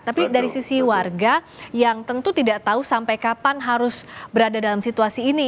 tapi dari sisi warga yang tentu tidak tahu sampai kapan harus berada dalam situasi ini